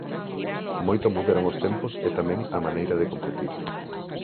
Moito mudaron os tempos e tamén a maneira de competir.